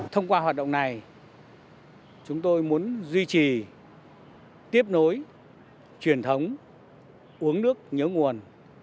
thông qua hoạt động này chúng tôi muốn duy trì tiếp nối truyền thống uống nước nhớ nguồn